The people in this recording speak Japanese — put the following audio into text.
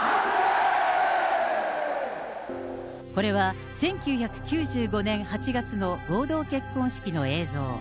これは１９９５年８月の合同結婚式の映像。